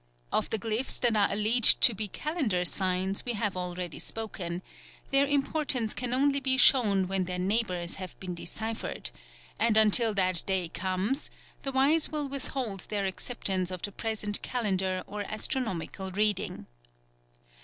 Of the glyphs that are alleged to be calendar signs we have already spoken; their importance can only be shown when their neighbours have been deciphered, and until that day comes the wise will withhold their acceptance of the present calendar or astronomical reading.